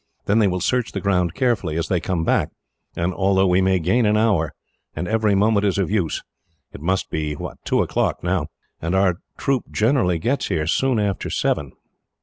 Then they will search the ground carefully, as they come back, and altogether we may gain an hour; and every moment is of use. It must be two o'clock now, and our troop generally gets here soon after seven."